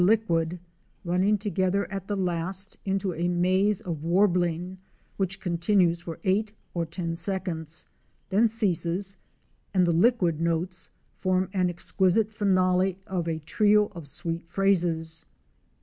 liquid, running together at the last into a maze of warbling which continues for eight or ten seconds — then ceases, and the liquid notes form an exquisite finale of a trio of sweet phrases.